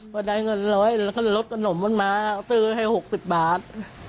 พอได้เงินร้อยแล้วเขาจะลดขนมมาตื้อให้๖๐บาท